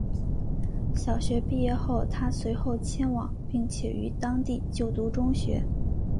小学毕业后她随后迁往并且于当地就读中学。